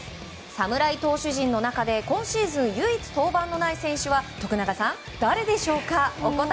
侍投手陣の中で今シーズン唯一登板のない選手は徳永さん、誰でしょうか。